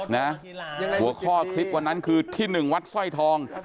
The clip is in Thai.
หัวข้อคลิปวันนั้นคือที่๑วัดสร้อยทอง